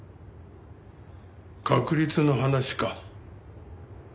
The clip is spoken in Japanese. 確率の話か？